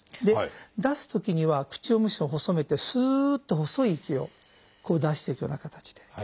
で出すときには口をむしろ細めてすっと細い息を出していくような形で。